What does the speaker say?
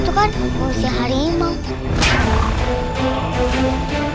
itu kan manusia harimau